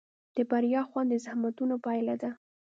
د بریا خوند د زحمتونو پایله ده.